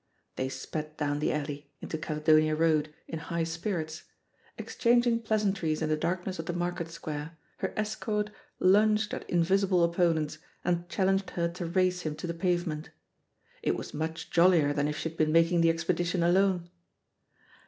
They sped down the alley, into Caledonia Road, in high spirits. Exchanging pleasantries in the darkness of the Market Square, her escort lunged at invisible opponents, and challenged her to race him to the pavement. It was much jollier than if she had been making the expedi tion alone.